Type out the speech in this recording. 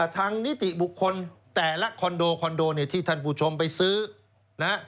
นิติบุคคลแต่ละคอนโดคอนโดเนี่ยที่ท่านผู้ชมไปซื้อนะ